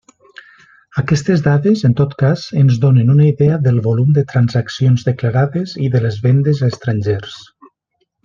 Aquestes dades, en tot cas, ens donen una idea del volum de transaccions declarades i de les vendes a estrangers.